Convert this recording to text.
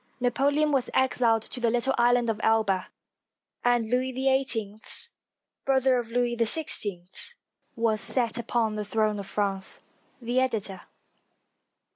Napoleon was exiled to the little island of Elba, and Louis XVIII, brother of Louis XVI, was set upon the throne of France. The Editor.